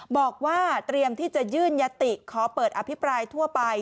บอกว่าเตรียมที่จะยื่นยติขอเปิดอภิปรายทั่วไป